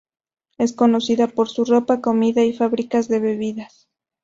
Es conocida por su ropa, comida y fábricas de bebidas.